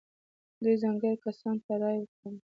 دوی ځانګړو کسانو ته رایه ورکړه.